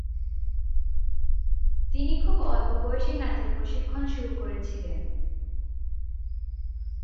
তিনি খুব অল্প বয়সেই নাচের প্রশিক্ষণ শুরু করেছিলেন।